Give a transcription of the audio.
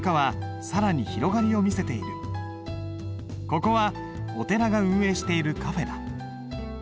ここはお寺が運営しているカフェだ。